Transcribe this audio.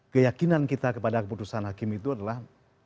keyakinan kita kepada keputusan hakim itu adalah